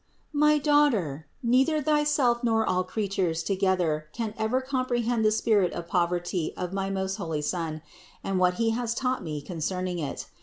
688. My daughter, neither thyself nor all creatures together can ever comprehend the spirit of poverty of my most holy Son, and what He has taught me concerning it.